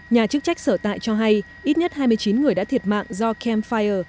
nhà chức trách sở tại cho hay ít nhất hai mươi chín người đã thiệt mạng do camp fire